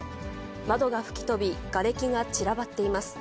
窓が吹き飛び、がれきが散らばっています。